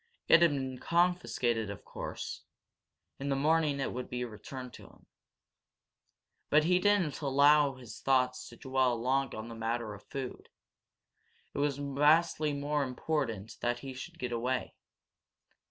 It had been confiscated, of course; in the morning it would be returned to him. But he didn't allow his thoughts to dwell long on the matter of food. It was vastly more important that he should get away.